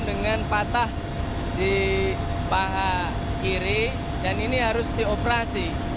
dia sudah di paha kiri dan ini harus dioperasi